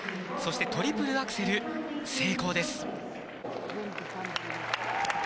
そしてトリプルアクセル成功です。